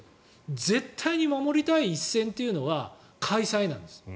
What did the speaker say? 絶対に守りたい一線というのは開催なんです。